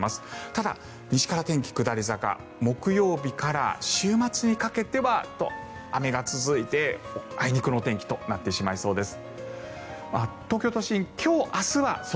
ただ、西から天気下り坂木曜日から週末にかけては雨が続いて、あいにくのお天気となってしまいそうです。